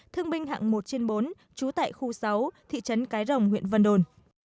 thương binh hạng một trên bốn trú tại khu sáu thị trấn cái rồng huyện vân đồn